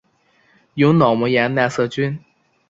由脑膜炎奈瑟菌。